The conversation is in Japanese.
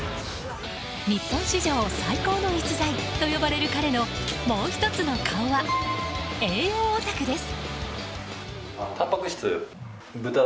日本史上最高の逸材と呼ばれる彼のもう１つの顔は栄養オタクです。